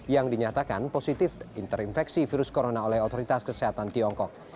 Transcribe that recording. yang dinyatakan positif interinfeksi virus corona oleh otoritas kesehatan tiongkok